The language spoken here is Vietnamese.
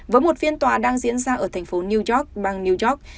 với một phiên tòa đang diễn ra ở thành phố new york bang new york